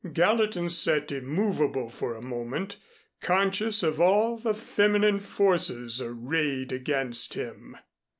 Gallatin sat immovable for a moment, conscious of all the feminine forces arrayed against him.